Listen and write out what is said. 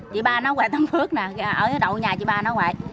chị ba nó ở ngoài tâm phước nè ở đầu nhà chị ba nó ngoài